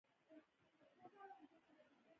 ایا زه باید خیاط ته لاړ شم؟